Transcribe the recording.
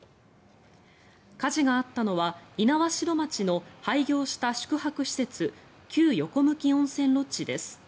火事があったのは猪苗代町の廃業した宿泊施設旧横向温泉ロッジです。